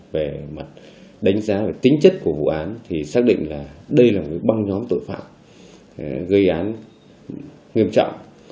về mặt đánh giá tính chất của vụ án thì xác định là đây là một băng nhóm tội phạm gây án nghiêm trọng